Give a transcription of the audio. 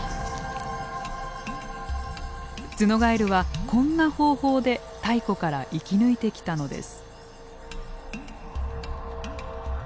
ツノガエルはこんな方法で太古から生き抜いてきたのです。